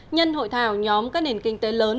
nhân hội thảo nhóm các nền kinh tế lớn